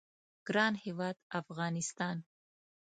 ګران هیواد افغانستان